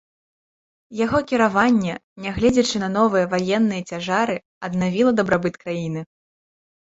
Яго кіраванне, нягледзячы на новыя ваенныя цяжары, аднавіла дабрабыт краіны.